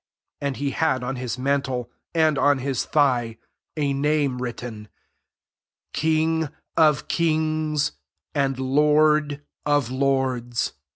16 And he had on his mantle, and on hii thigh, a name written, King oi KiNOS AND LoBD OF LoRDS.